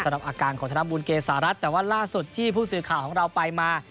อาการของธนบุญเกษารัฐแต่ว่าล่าสุดที่ผู้สื่อข่าวของเราไปมา